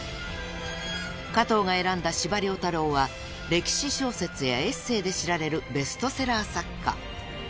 ［加藤が選んだ司馬遼太郎は歴史小説やエッセーで知られるベストセラー作家］